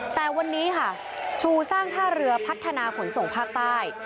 แต่วันนี้ค่ะชูสร้างท่าเรือพัฒนาขนส่งภาคใต้